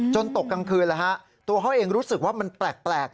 ตกกลางคืนแล้วฮะตัวเขาเองรู้สึกว่ามันแปลก